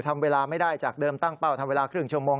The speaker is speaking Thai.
ทำเวลาไม่ได้จากเดิมตั้งเป้าทำเวลาครึ่งชั่วโมง